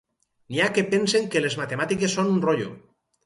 N'hi ha que pensen que les matemàtiques són un rotllo.